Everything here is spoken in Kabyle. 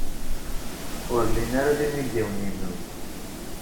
Ur llin ara d imidiwen-nnem?